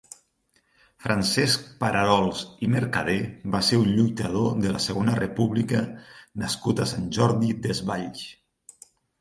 Francesc Pararols i Mercader va ser un lluitador de la Segona República nascut a Sant Jordi Desvalls.